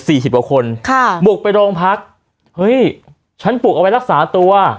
สิบกว่าคนค่ะบุกไปโรงพักเฮ้ยฉันปลูกเอาไว้รักษาตัว